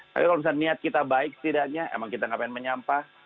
tapi kalau misalnya niat kita baik setidaknya emang kita gak pengen menyampah